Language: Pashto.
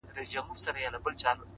o ستا سومه؛ چي ستا سومه؛ چي ستا سومه؛